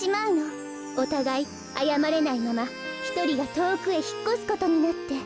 おたがいあやまれないままひとりがとおくへひっこすことになって。